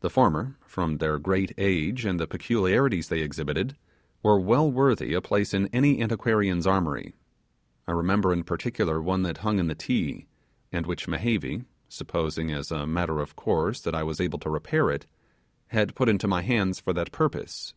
The former, from their great age and the peculiarities they exhibited, were well worthy a place in any antiquarian's armoury. I remember in particular one that hung in the Ti, and which Mehevi supposing as a matter of course that I was able to repair it had put into my hands for that purpose.